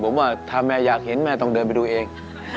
ผมว่าถ้าแม่อยากเห็นแม่ต้องเดินไปดูเอง